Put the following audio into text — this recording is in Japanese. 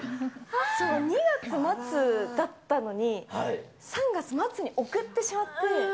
２月末だったのに、３月末に送ってしまって。